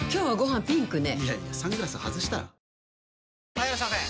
・はいいらっしゃいませ！